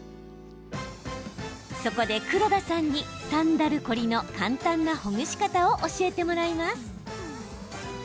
そこで黒田さんにサンダル凝りの簡単なほぐし方を教えてもらいます。